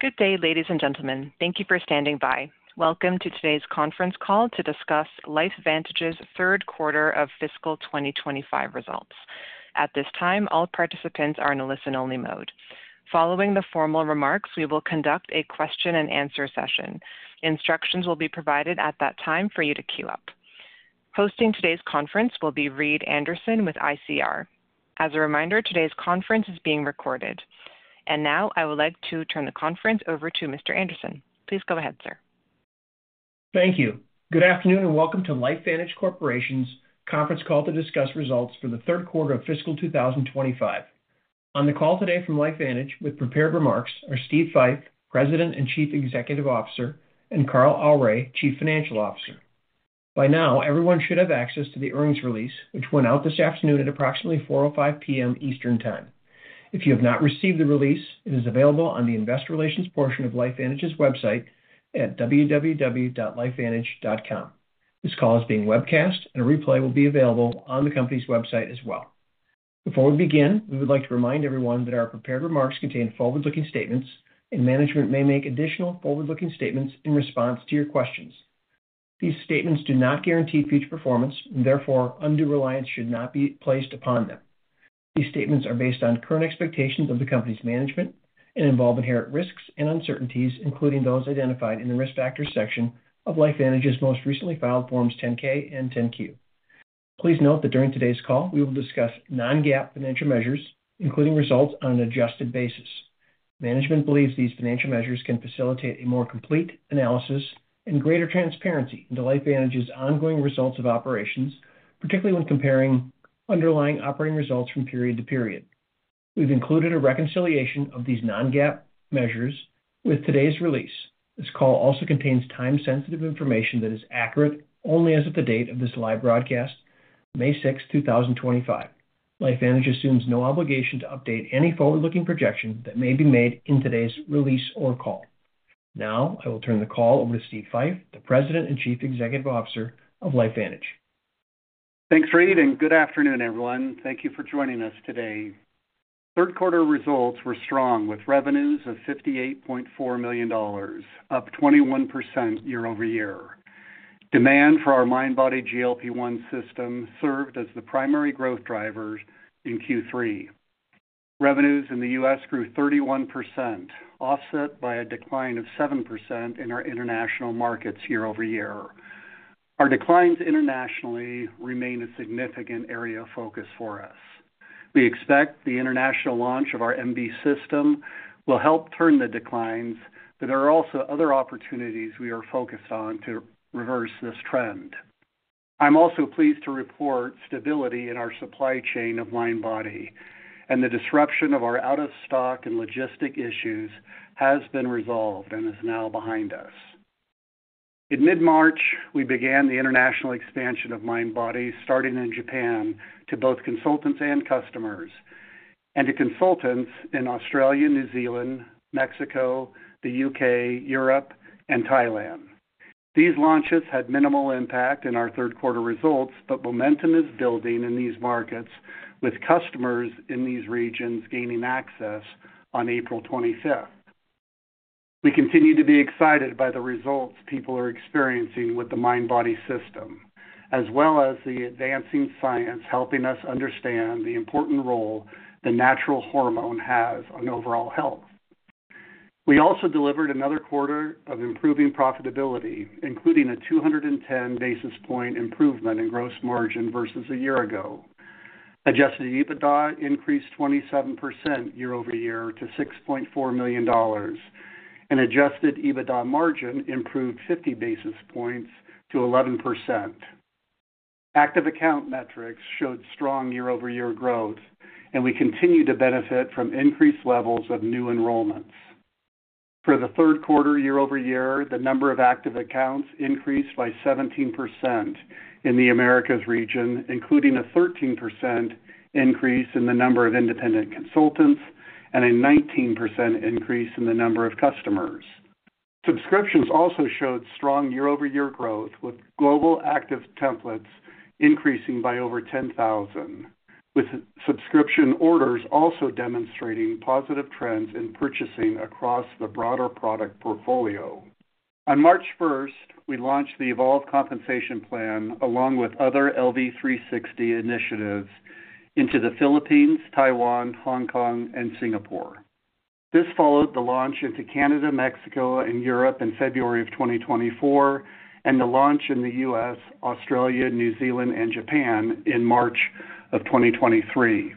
Good day, ladies and gentlemen. Thank you for standing by. Welcome to today's conference call to discuss LifeVantage's Third Quarter of Fiscal 2025 results. At this time, all participants are in a listen-only mode. Following the formal remarks, we will conduct a Q&A session. Instructions will be provided at that time for you to queue up. Hosting today's conference will be Reed Anderson with ICR. As a reminder, today's conference is being recorded. I would like to turn the conference over to Mr. Anderson. Please go ahead, sir. Thank you. Good afternoon and welcome to LifeVantage Corporation's conference call to discuss results for the Third Quarter of Fiscal 2025. On the call today from LifeVantage with prepared remarks are Steve Fife, President and Chief Executive Officer, and Carl Aure, Chief Financial Officer. By now, everyone should have access to the earnings release, which went out this afternoon at approximately 4:05 P.M. Eastern Time. If you have not received the release, it is available on the Investor Relations portion of LifeVantage's website at https://www.lifevantage.com. This call is being webcast, and a replay will be available on the company's website as well. Before we begin, we would like to remind everyone that our prepared remarks contain forward-looking statements, and management may make additional forward-looking statements in response to your questions. These statements do not guarantee future performance, and therefore, undue reliance should not be placed upon them. These statements are based on current expectations of the company's management and involve inherent risks and uncertainties, including those identified in the risk factors section of LifeVantage's most recently filed Forms 10-K and 10-Q. Please note that during today's call, we will discuss non-GAAP financial measures, including results on an adjusted basis. Management believes these financial measures can facilitate a more complete analysis and greater transparency into LifeVantage's ongoing results of operations, particularly when comparing underlying operating results from period to period. We've included a reconciliation of these non-GAAP measures with today's release. This call also contains time-sensitive information that is accurate only as of the date of this live broadcast, May 6, 2025. LifeVantage assumes no obligation to update any forward-looking projection that may be made in today's release or call. Now I will turn the call over to Steve Fife, the President and Chief Executive Officer of LifeVantage. Thanks, Reed. And good afternoon, everyone. Thank you for joining us today. Third-quarter results were strong, with revenues of $58.4 million, up 21% year-over-year. Demand for our MindBody GLP-1 system served as the primary growth driver in Q3. Revenues in the U.S. grew 31%, offset by a decline of 7% in our international markets year-over-year. Our declines internationally remain a significant area of focus for us. We expect the international launch of our MB system will help turn the declines, but there are also other opportunities we are focused on to reverse this trend. I'm also pleased to report stability in our supply chain of mind-body, and the disruption of our out-of-stock and logistic issues has been resolved and is now behind us. In mid-March, we began the international expansion of MindBody, starting in Japan to both consultants and customers, and to consultants in Australia, New Zealand, Mexico, the U.K., Europe, and Thailand. These launches had minimal impact in our third-quarter results, but momentum is building in these markets, with customers in these regions gaining access on April 25th. We continue to be excited by the results people are experiencing with the MindBody system, as well as the advancing science helping us understand the important role the natural hormone has on overall health. We also delivered another quarter of improving profitability, including a 210 basis point improvement in gross margin versus a year ago. Adjusted EBITDA increased 27% year-over-year to $6.4 million, and adjusted EBITDA margin improved 50 basis points to 11%. Active account metrics showed strong year-over-year growth, and we continue to benefit from increased levels of new enrollments. For the third quarter, year-over-year, the number of active accounts increased by 17% in the Americas region, including a 13% increase in the number of independent consultants and a 19% increase in the number of customers. Subscriptions also showed strong year-over-year growth, with global active templates increasing by over 10,000, with subscription orders also demonstrating positive trends in purchasing across the broader product portfolio. On March 1, we launched the Evolve Compensation Plan along with other LV360 initiatives into the Philippines, Taiwan, Hong Kong, and Singapore. This followed the launch into Canada, Mexico, and Europe in February of 2024, and the launch in the U.S., Australia, New Zealand, and Japan in March of 2023.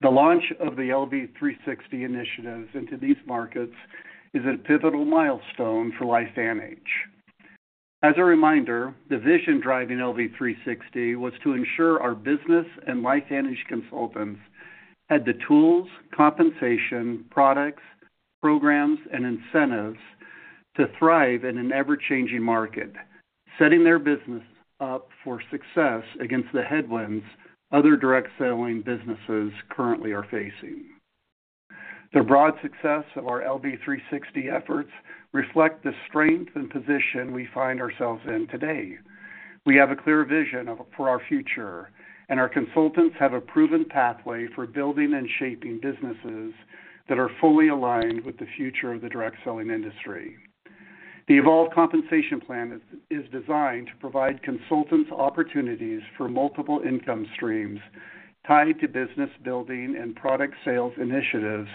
The launch of the LV360 initiatives into these markets is a pivotal milestone for LifeVantage. As a reminder, the vision driving LV360 was to ensure our business and LifeVantage consultants had the tools, compensation, products, programs, and incentives to thrive in an ever-changing market, setting their business up for success against the headwinds other direct-selling businesses currently are facing. The broad success of our LV360 efforts reflects the strength and position we find ourselves in today. We have a clear vision for our future, and our consultants have a proven pathway for building and shaping businesses that are fully aligned with the future of the direct-selling industry. The Evolve Compensation Plan is designed to provide consultants opportunities for multiple income streams tied to business building and product sales initiatives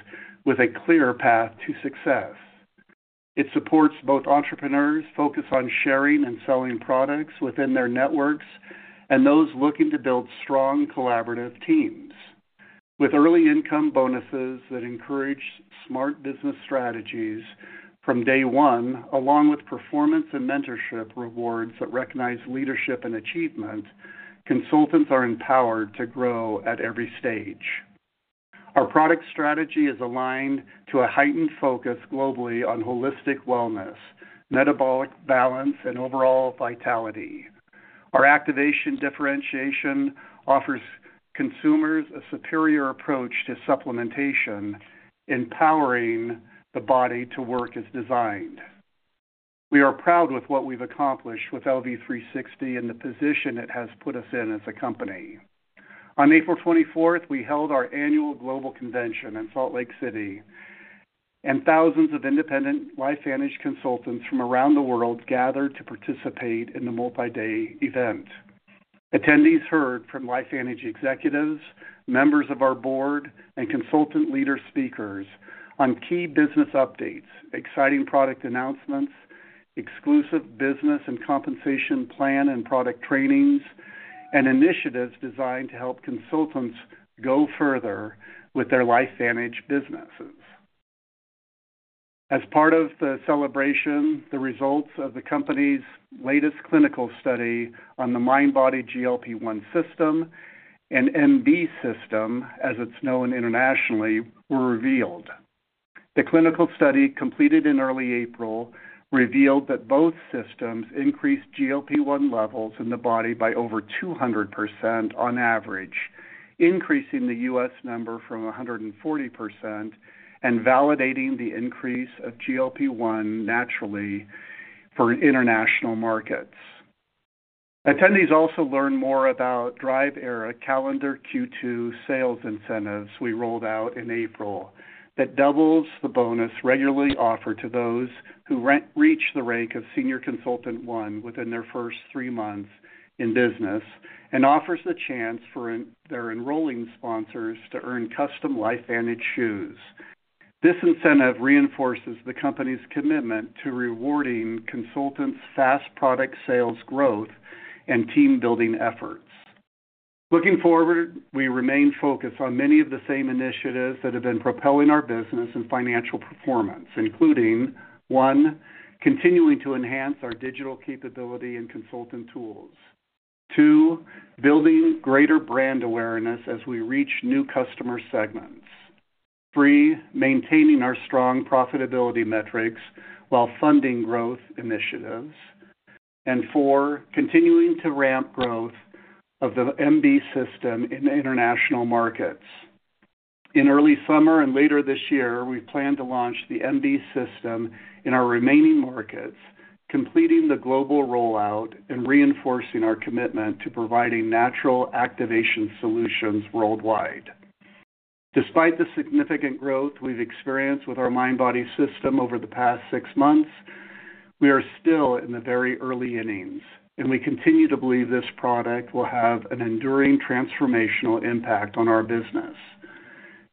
with a clear path to success. It supports both entrepreneurs focused on sharing and selling products within their networks and those looking to build strong collaborative teams, with early income bonuses that encourage smart business strategies from day one, along with performance and mentorship rewards that recognize leadership and achievement. Consultants are empowered to grow at every stage. Our product strategy is aligned to a heightened focus globally on holistic wellness, metabolic balance, and overall vitality. Our activation differentiation offers consumers a superior approach to supplementation, empowering the body to work as designed. We are proud of what we've accomplished with LV360 and the position it has put us in as a company. On April 24th, we held our Annual Global Convention in Salt Lake City, and thousands of independent LifeVantage consultants from around the world gathered to participate in the multi-day event. Attendees heard from LifeVantage executives, members of our board, and consultant leader speakers on key business updates, exciting product announcements, exclusive business and compensation plan and product trainings, and initiatives designed to help consultants go further with their LifeVantage businesses. As part of the celebration, the results of the company's latest clinical study on the MindBody GLP-1 System and MB system, as it's known internationally, were revealed. The clinical study completed in early April revealed that both systems increased GLP-1 levels in the body by over 200% on average, increasing the U.S. number from 140% and validating the increase of GLP-1 naturally for international markets. Attendees also learned more about Drive Era Calendar Q2 Sales Incentives we rolled out in April that doubles the bonus regularly offered to those who reach the rank of Senior Consultant 1 within their first three months in business and offers the chance for their enrolling sponsors to earn custom LifeVantage shoes. This incentive reinforces the company's commitment to rewarding consultants' fast product sales growth and team-building efforts. Looking forward, we remain focused on many of the same initiatives that have been propelling our business and financial performance, including: one, continuing to enhance our digital capability and consultant tools; two, building greater brand awareness as we reach new customer segments; three, maintaining our strong profitability metrics while funding growth initiatives; and four, continuing to ramp growth of the MB system in international markets. In early summer and later this year, we plan to launch the MB system in our remaining markets, completing the global rollout and reinforcing our commitment to providing natural activation solutions worldwide. Despite the significant growth we've experienced with our mind-body system over the past six months, we are still in the very early innings, and we continue to believe this product will have an enduring transformational impact on our business.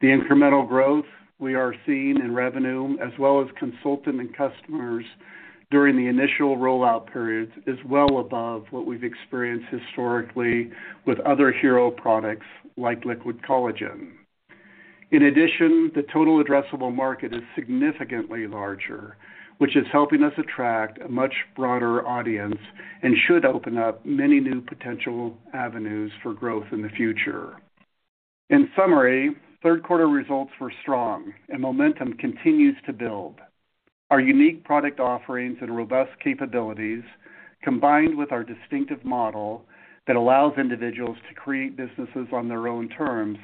The incremental growth we are seeing in revenue, as well as consultant and customers during the initial rollout periods, is well above what we've experienced historically with other hero products like Liquid Collagen. In addition, the total addressable market is significantly larger, which is helping us attract a much broader audience and should open up many new potential avenues for growth in the future. In summary, third-quarter results were strong, and momentum continues to build. Our unique product offerings and robust capabilities, combined with our distinctive model that allows individuals to create businesses on their own terms,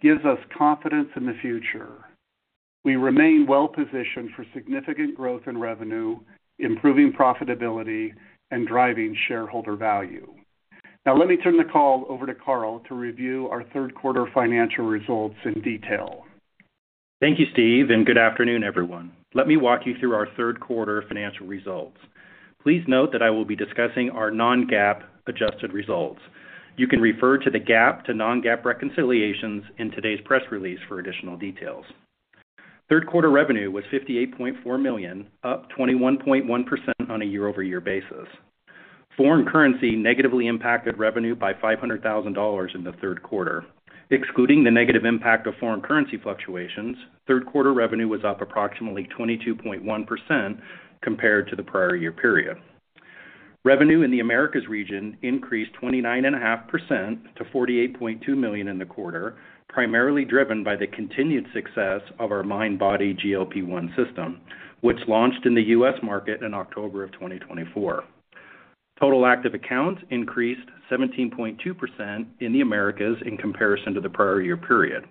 gives us confidence in the future. We remain well-positioned for significant growth in revenue, improving profitability, and driving shareholder value. Now, let me turn the call over to Carl to review our third-quarter financial results in detail. Thank you, Steve, and good afternoon, everyone. Let me walk you through our third-quarter financial results. Please note that I will be discussing our non-GAAP adjusted results. You can refer to the GAAP to non-GAAP reconciliations in today's press release for additional details. Third-quarter revenue was $58.4 million, up 21.1% on a year-over-year basis. Foreign currency negatively impacted revenue by $500,000 in the third quarter. Excluding the negative impact of foreign currency fluctuations, third-quarter revenue was up approximately 22.1% compared to the prior year period. Revenue in the Americas region increased 29.5% to $48.2 million in the quarter, primarily driven by the continued success of our MindBody GLP-1 system, which launched in the U.S. market in October of 2024. Total active accounts increased 17.2% in the Americas in comparison to the prior year period.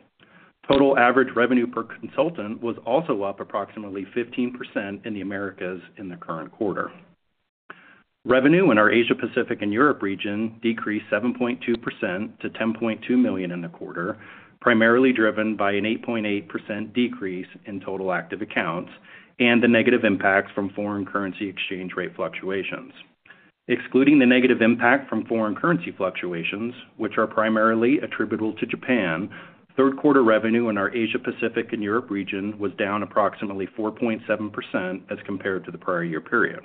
Total average revenue per consultant was also up approximately 15% in the Americas in the current quarter. Revenue in our Asia-Pacific and Europe region decreased 7.2% to $10.2 million in the quarter, primarily driven by an 8.8% decrease in total active accounts and the negative impacts from foreign currency exchange rate fluctuations. Excluding the negative impact from foreign currency fluctuations, which are primarily attributable to Japan, third-quarter revenue in our Asia-Pacific and Europe region was down approximately 4.7% as compared to the prior year period.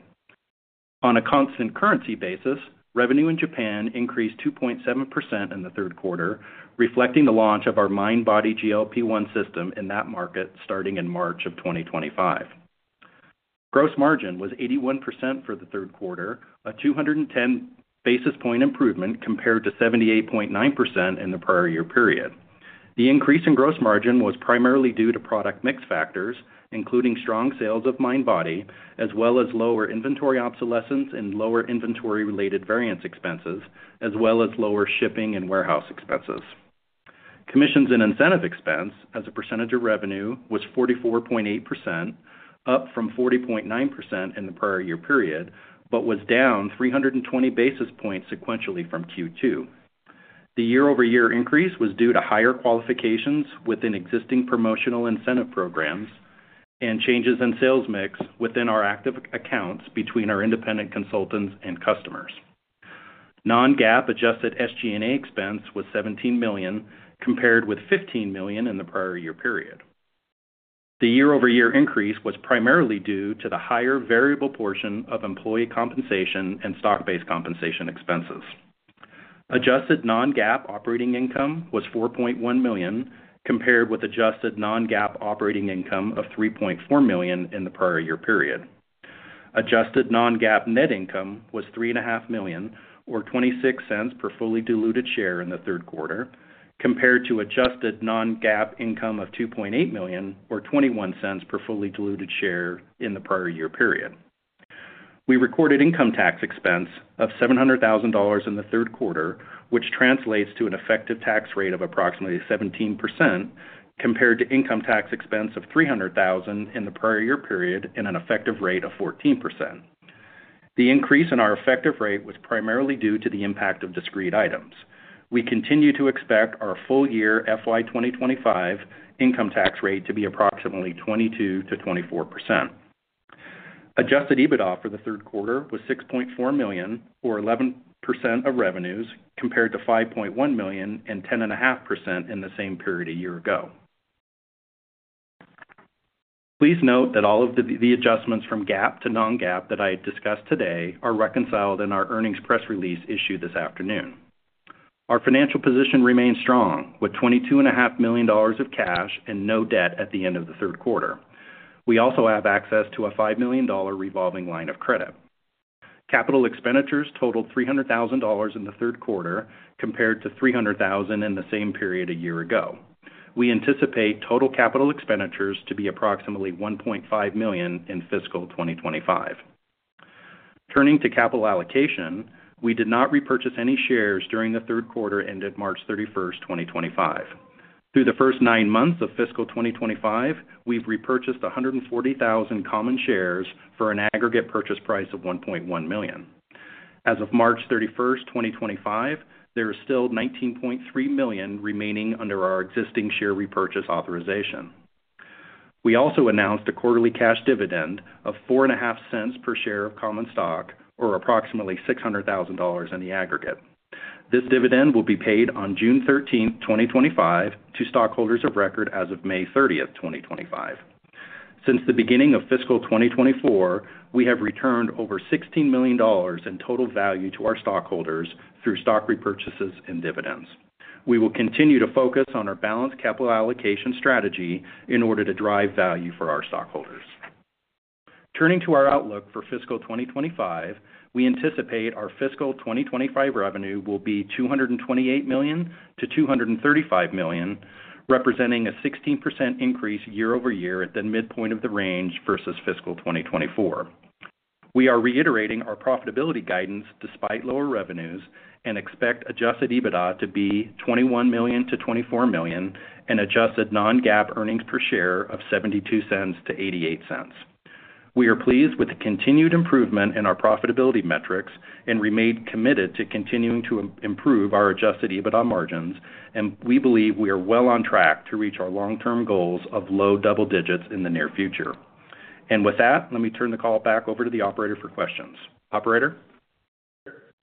On a constant currency basis, revenue in Japan increased 2.7% in the third quarter, reflecting the launch of our MindBody GLP-1 System in that market starting in March of 2025. Gross margin was 81% for the third quarter, a 210 basis point improvement compared to 78.9% in the prior year period. The increase in gross margin was primarily due to product mix factors, including strong sales of MindBody, as well as lower inventory obsolescence and lower inventory-related variance expenses, as well as lower shipping and warehouse expenses. Commissions and incentive expense as a percentage of revenue was 44.8%, up from 40.9% in the prior year period, but was down 320 basis points sequentially from Q2. The year-over-year increase was due to higher qualifications within existing promotional incentive programs and changes in sales mix within our active accounts between our independent consultants and customers. Non-GAAP adjusted SG&A expense was $17 million compared with $15 million in the prior year period. The year-over-year increase was primarily due to the higher variable portion of employee compensation and stock-based compensation expenses. Adjusted non-GAAP operating income was $4.1 million compared with adjusted non-GAAP operating income of $3.4 million in the prior year period. Adjusted non-GAAP net income was $3.5 million, or $0.26 per fully diluted share in the third quarter, compared to adjusted non-GAAP income of $2.8 million, or $0.21 per fully diluted share in the prior year period. We recorded income tax expense of $700,000 in the third quarter, which translates to an effective tax rate of approximately 17% compared to income tax expense of $300,000 in the prior year period and an effective rate of 14%. The increase in our effective rate was primarily due to the impact of discrete items. We continue to expect our full year fiscal year 2025 income tax rate to be approximately 22%-24%. Adjusted EBITDA for the third quarter was $6.4 million, or 11% of revenues, compared to $5.1 million and 10.5% in the same period a year ago. Please note that all of the adjustments from GAAP to non-GAAP that I discussed today are reconciled in our earnings press release issued this afternoon. Our financial position remains strong with $22.5 million of cash and no debt at the end of the third quarter. We also have access to a $5 million revolving line of credit. Capital expenditures totaled $300,000 in the third quarter compared to $300,000 in the same period a year ago. We anticipate total capital expenditures to be approximately $1.5 million in fiscal 2025. Turning to capital allocation, we did not repurchase any shares during the third quarter ended March 31, 2025. Through the first nine months of fiscal 2025, we've repurchased 140,000 common shares for an aggregate purchase price of $1.1 million. As of March 31, 2025, there is still $19.3 million remaining under our existing share repurchase authorization. We also announced a quarterly cash dividend of $0.045 per share of common stock, or approximately $600,000 in the aggregate. This dividend will be paid on June 13th, 2025, to stockholders of record as of May 30th, 2025. Since the beginning of fiscal 2024, we have returned over $16 million in total value to our stockholders through stock repurchases and dividends. We will continue to focus on our balanced capital allocation strategy in order to drive value for our stockholders. Turning to our outlook for fiscal 2025, we anticipate our fiscal 2025 revenue will be $228 million-$235 million, representing a 16% increase year-over-year at the midpoint of the range versus fiscal 2024. We are reiterating our profitability guidance despite lower revenues and expect adjusted EBITDA to be $21 million-$24 million and adjusted non-GAAP earnings per share of $0.72-$0.88. We are pleased with the continued improvement in our profitability metrics and remain committed to continuing to improve our adjusted EBITDA margins, and we believe we are well on track to reach our long-term goals of low double digits in the near future. And with that, let me turn the call back over to the operator for questions. Operator?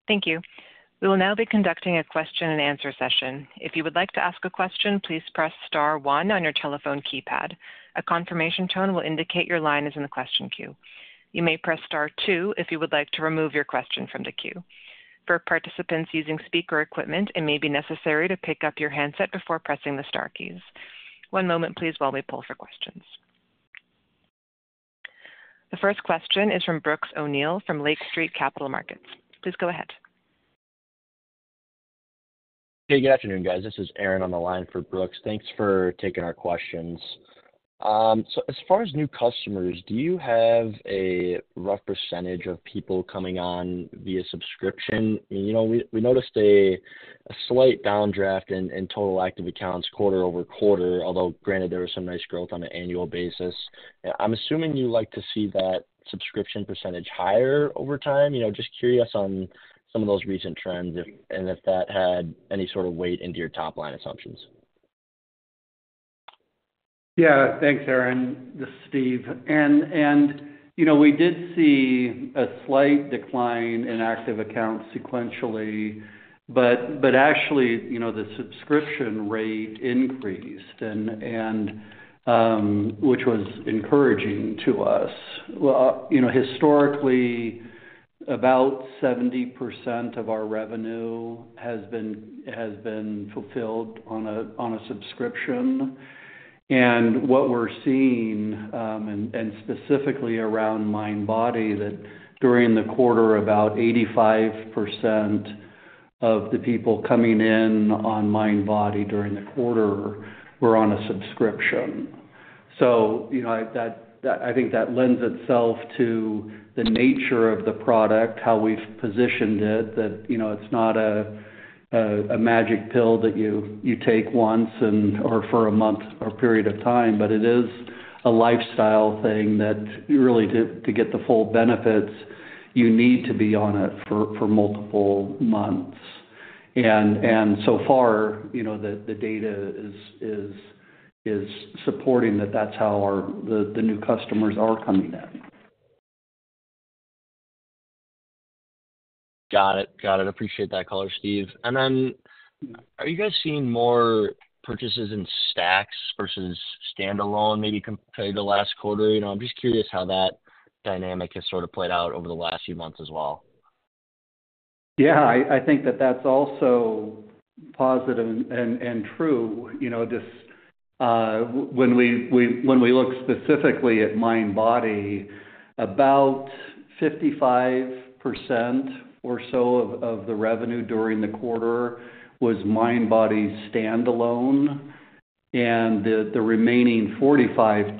Thank you. We will now be conducting a Q&A session. If you would like to ask a question, please press Star one on your telephone keypad. A confirmation tone will indicate your line is in the question queue. You may press Star two if you would like to remove your question from the queue. For participants using speaker equipment, it may be necessary to pick up your handset before pressing the Star keys. One moment, please, while we pull for questions. The first question is from Brooks O'Neil from Lake Street Capital Markets. Please go ahead. Hey, good afternoon, guys. This is Aaron on the line for Brooks. Thanks for taking our questions. As far as new customers, do you have a rough percentage of people coming on via subscription? You know we noticed a slight downdraft in total active accounts quarter over quarter, although, granted, there was some nice growth on an annual basis. I'm assuming you like to see that subscription percentage higher over time. Just curious on some of those recent trends and if that had any sort of weight into your top-line assumptions. Yeah. Thanks, Aaron. This is Steve. And and we did see a slight decline in active accounts sequentially, but but actually, you know the subscription rate increased, and and which was encouraging to us. Historically, about 70% of our revenue has been has been fulfilled on a on a subscription. And what we're seeing, and specifically around MindBody, is that during the quarter, about 85% of the people coming in on MindBody during the quarter were on a subscription. So you know I I think that lends itself to the nature of the product, how we've positioned it, you know that it's not a magic pill that you take once or for a month or period of time, but it is a lifestyle thing that really, to get the full benefits, you need to be on it for multiple months. And and so far, you know the the data is is is supporting that that's how the new customers are coming in. Got it. Got it. Appreciate that, Carl, Steve. And then are you guys seeing more purchases in stacks versus standalone maybe compared to the last quarter? I'm just curious how that dynamic has sort of played out over the last few months as well. Yeah. I I think that that's also positive and and true. You know this when we we look specifically at MindBody, about 55% or so of the revenue during the quarter was MindBody standalone, and the remaining 45%,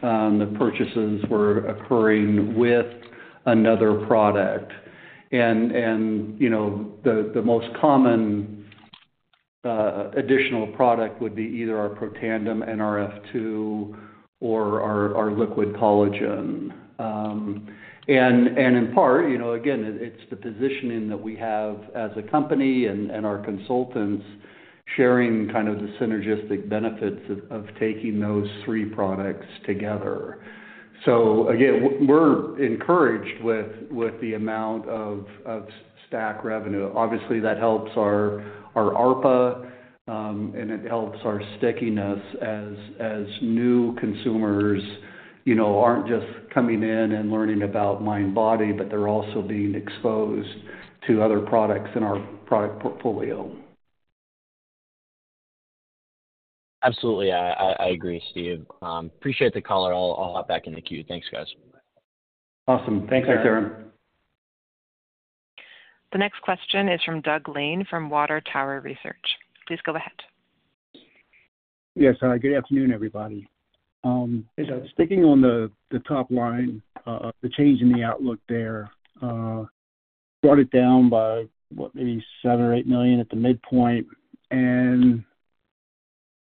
the purchases were occurring with another product. And and you know the the most common additional product would be either our Protandim Nrf2 or our our Liquid Collagen. And and in part, you know again, it's the positioning that we have as a company and our consultants sharing kind of the synergistic benefits of of taking those three products together. So again, we're encouraged with with the amount of stack revenue. Obviously, that helps our ARPA, and it helps our stickiness as as new consumers you know aren't just coming in and learning about MindBody, but they're also being exposed to other products in our product portfolio. Absolutely. I agree, Steve. Appreciate the call. I'll hop back in the queue. Thanks, guys. Awesome. Thanks, Aaron. The next question is from Doug Lane from Water Tower Research. Please go ahead. Yes. Good afternoon, everybody. Speaking on the the top line, the change in the outlook there, we brought it down by, what, maybe $7 or $8 million at the midpoint. And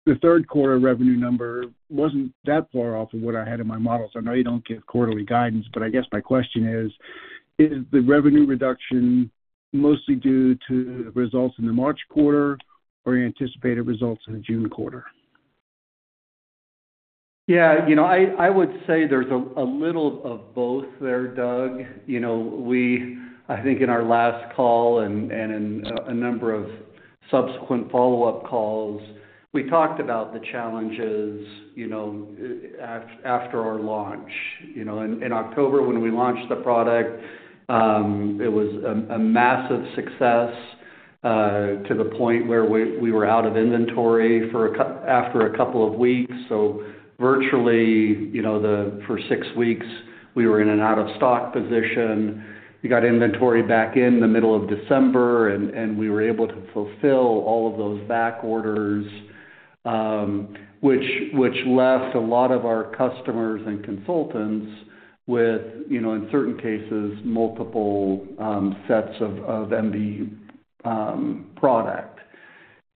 the third quarter revenue number was not that far off of what I had in my models. I know you do not give quarterly guidance, but I guess my question is, is the revenue reduction mostly due to the results in the March quarter or anticipated results in the June quarter? Yeah. You know I I would say there's a little of both there, Doug. You know we I think in our last call and in a number of subsequent follow-up calls, we talked about the challenges you know after our launch. You know in October, when we launched the product, it was a a massive success to the point where we were out of inventory after a couple of weeks. So virtually, you know for six weeks, we were in an out-of-stock position. We got inventory back in the middle of December, and and we were able to fulfill all of those back orders, which which left a lot of our customers and consultants with, you know in certain cases, multiple sets of MB product.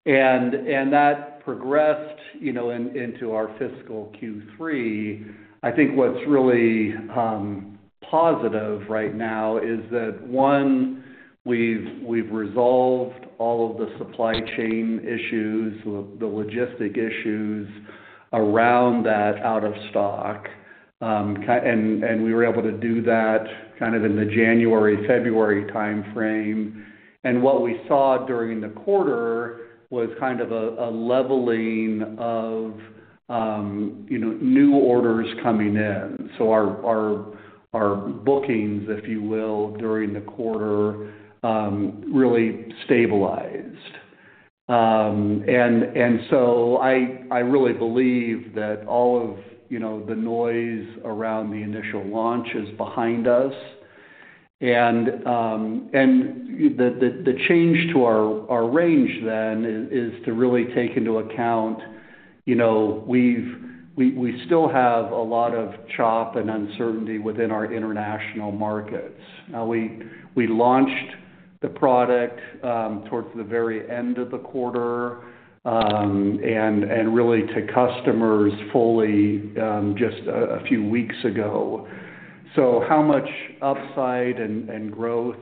And and that progressed into our fiscal Q3. I think what's really positive right now is that, one, we've we've resolved all of the supply chain issues, the logistic issues around that out-of-stock. And and we were able to do that kind of in the January-February timeframe. And what we saw during the quarter was kind of a a leveling of you know new orders coming in. So our our our bookings, if you will, during the quarter really stabilized. And and so I I really believe that all of the you know noise around the initial launch is behind us. And and the the change to our range then is to really take into account you know we we still have a lot of chop and uncertainty within our international markets. Now we we launched the product towards the very end of the quarter and and really to customers fully just a few weeks ago. So how much upside and and growth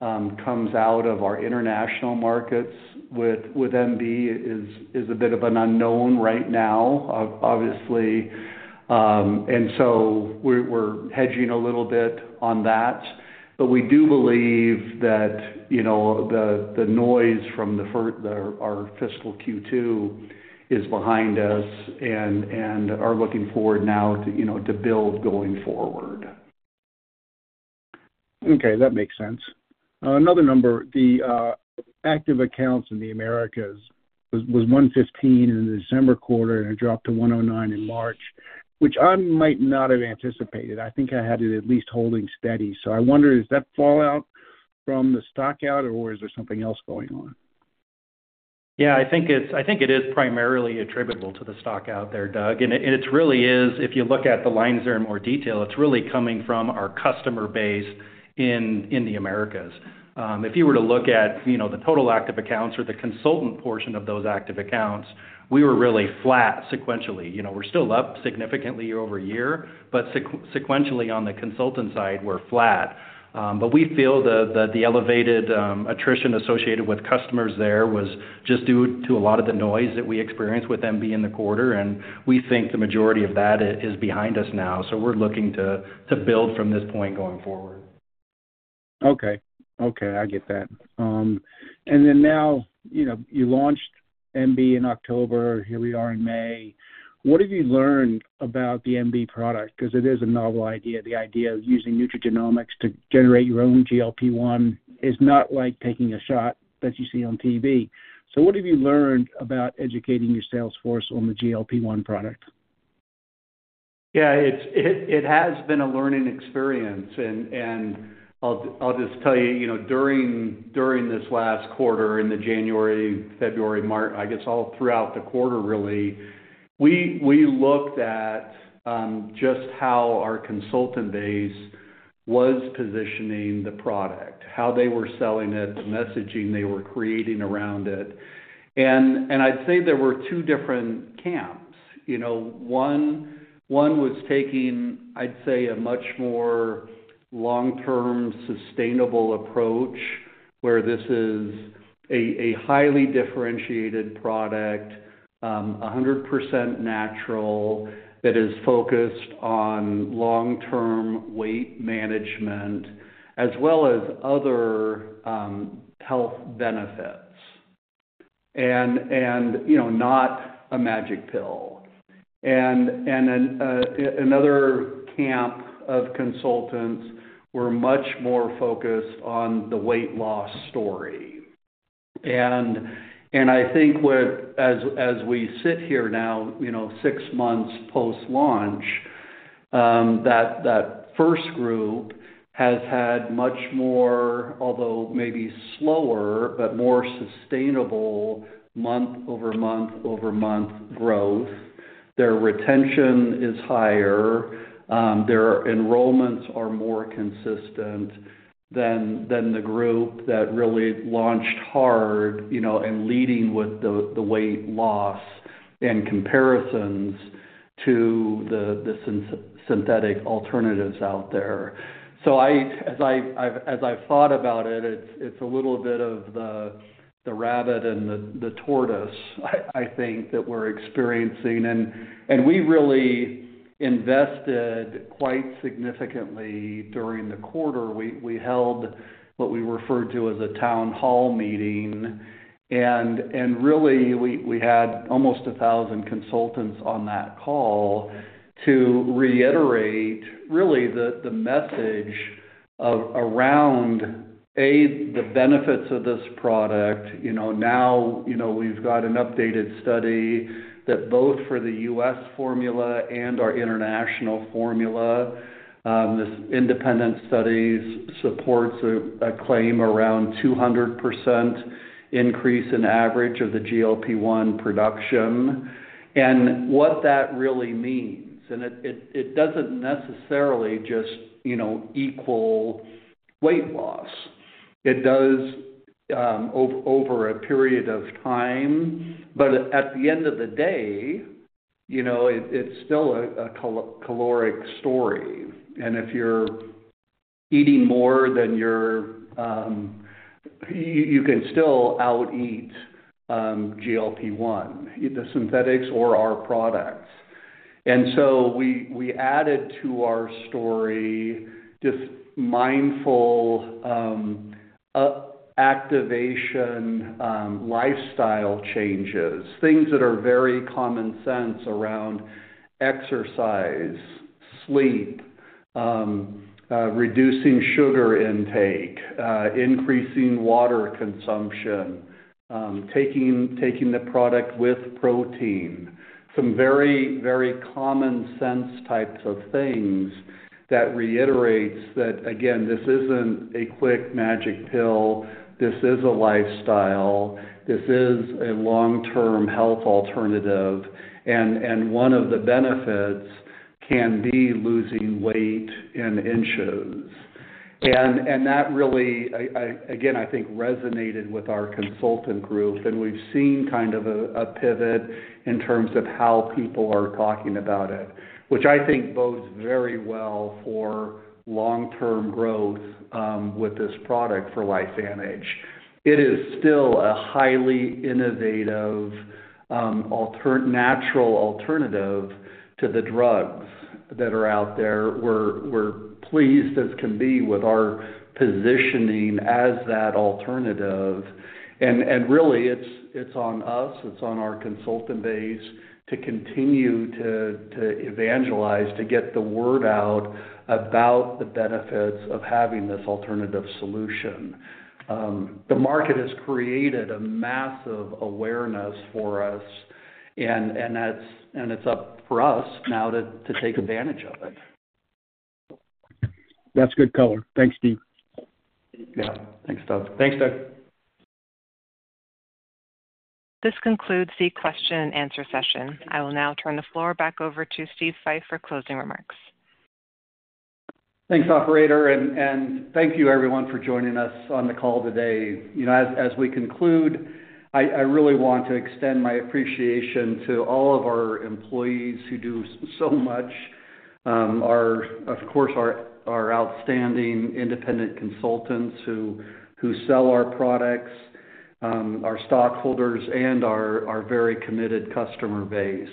comes out of our international markets with with MB is is a bit of an unknown right now, obviously. And so we're we are hedging a little bit on that. But we do believe that you know the the noise from the from our fiscal Q2 is behind us and and are looking forward now you know to build going forward. Okay. That makes sense. Another number, the active accounts in the Americas was $115 in the December quarter, and it dropped to $109 in March, which I might not have anticipated. I think I had it at least holding steady. So I wonder, is that fallout from the stockout, or is there something else going on? Yeah. I think I think it is primarily attributable to the stockout there, Doug. It really is, if you look at the lines there in more detail, it's really coming from our customer base in in the Americas. If you were to look at the total active accounts or the consultant portion of those active accounts, we were really flat sequentially. You know we're still up significantly year-over-year, but sequentially on the consultant side, we're flat. But we feel that that the elevated attrition associated with customers there was just due to a lot of the noise that we experienced with MB in the quarter. And we think the majority of that is behind us now. So we are looking to to build from this point going forward. Okay. Okay. I get that. And then now you know you launched MB in October. Here we are in May. What have you learned about the MB product? Because it is a novel idea. The idea of using nutrigenomics to generate your own GLP-1 is not like taking a shot that you see on TV. So what have you learned about educating your salesforce on the GLP-1 product? Yeah. It it has been a learning experience. And and I'll just tell you, during during this last quarter in the January, February, March, I guess all throughout the quarter, really, we we looked at just how our consultant base was positioning the product, how they were selling it, the messaging they were creating around it. And and I'd say there were two different camps. You know one one was taking, I'd say, a much more long-term sustainable approach where this is a a highly differentiated product, 100% natural, that is focused on long-term weight management as well as other health benefits and and you know not a magic pill. And and another camp of consultants were much more focused on the weight loss story. And and I think that as as we sit here now, you know six months post-launch, that that first group has had much more, although maybe slower, but more sustainable month-over-month-over-month growth. Their retention is higher. Their enrollments are more consistent than than the group that really launched hard you know and leading with the the weight loss in comparisons to the synthetic alternatives out there. So as I as I've thought about it, it's it's a little bit of the the rabbit and the tortoise, I think, that we're experiencing. And and we really invested quite significantly during the quarter. We we held what we referred to as a town hall meeting. And and really we we had almost 1,000 consultants on that call to reiterate really the the message around, A, the benefits of this product. You know now you know we've got an updated study that both for the U.S. formula and our international formula, this independent studies supports a a claim around 200% increase in average of the GLP-1 production. And what that really means, and it it doesn't necessarily just you know equal weight loss. It does over over a period of time. But at the end of the day, you know it's still a a caloric story. And if you're eating more, than your then you can still out-eat GLP-1, in the synthetics or our products. And so we added to our story just mindful activation, lifestyle changes, things that are very common sense around exercise, sleep, reducing sugar intake, increasing water consumption, taking taking the product with protein, some very, very common sense types of things that reiterate that, again, this isn't a quick magic pill. This is a lifestyle. This is a long-term health alternative. And and one of the benefits can be losing weight in inches. And and that really, again, I think resonated with our consultant group. And we've seen kind of a a pivot in terms of how people are talking about it, which I think bodes very well for long-term growth with this product for LifeVantage. It is still a highly innovative natural alternative to the drugs that are out there. We're we're pleased as can be with our positioning as that alternative. And and really, it's it's on us. It's on our consultant base to continue to to evangelize, to get the word out about the benefits of having this alternative solution. The market has created a massive awareness for us, and and it's and it's up for us now to take advantage of it. That's good color. Thanks, Steve. Yeah. Thanks, Doug. Thanks, Doug. This concludes the Q&A session. I will now turn the floor back over to Steve Fife for closing remarks. Thanks, operator. And and thank you, everyone, for joining us on the call today. As as we conclude, I I really want to extend my appreciation to all of our employees who do so much, of course, our our outstanding independent consultants who who sell our products, our stockholders, and our our very committed customer base.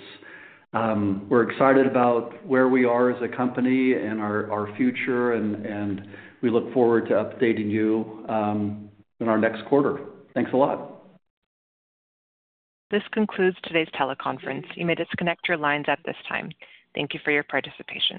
We are excited about where we are as a company and our our future, and we look forward to updating you in our next quarter. Thanks a lot. This concludes today's teleconference. You may disconnect your lines at this time. Thank you for your participation.